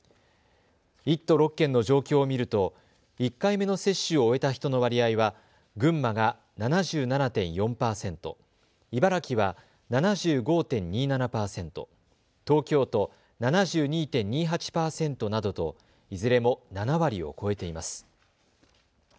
１都６県の状況を見ると１回目の接種を終えた人の割合は群馬が７７．４％、茨城は７５．２７％、東京都７２．２８％などといずれも７割を超えています。